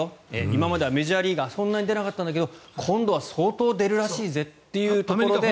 今まではメジャーリーガーそんなに出なかったんだけど今度は相当出るらしいぜというところで。